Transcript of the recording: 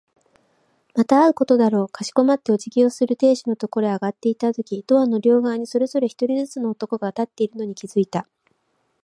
また会うことだろう。かしこまってお辞儀をする亭主のところへ上がっていったとき、ドアの両側にそれぞれ一人ずつの男が立っているのに気づいた。